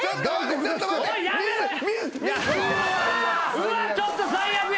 うわちょっと最悪や。